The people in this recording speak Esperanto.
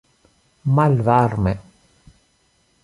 malvarme